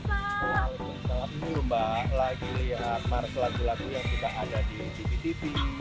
selamat siang mbak lagi lihat mars lagu lagu yang kita ada di tv tv